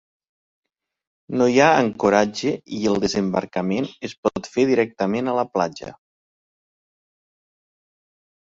No hi ha ancoratge i el desembarcament es pot fer directament a la platja.